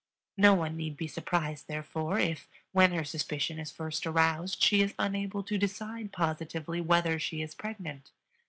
No one need be surprised, therefore, if, when her suspicion is first aroused, she is unable to decide positively whether she is pregnant.